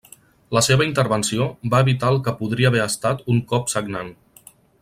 La seva intervenció va evitar el que podria haver estat un cop sagnant.